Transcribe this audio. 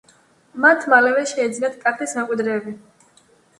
მათ მალევე შეეძინათ ტახტის მემკვიდრეები.